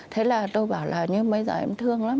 thế là tôi bảo là như bây giờ em thương lắm